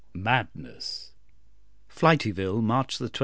MADNESS. FLITYVILLE, March 20.